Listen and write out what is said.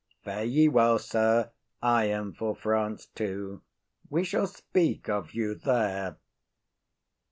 Fare ye well, sir. I am for France too; we shall speak of you there.